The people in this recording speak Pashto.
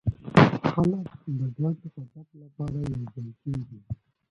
خلک د ګډ هدف لپاره یوځای کېږي.